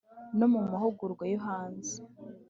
no mu mahugurwa yo hanze